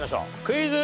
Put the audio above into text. クイズ。